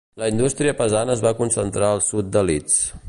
La indústria pesant es va concentrar al sud de Leeds.